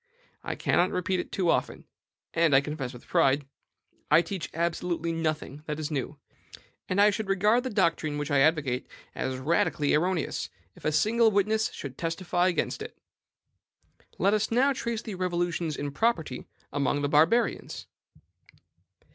I cannot repeat it too often, and I confess it with pride, I teach absolutely nothing that is new; and I should regard the doctrine which I advocate as radically erroneous, if a single witness should testify against it. Let us now trace the revolutions in property among the Barbarians.